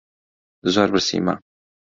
زۆر برسیمە.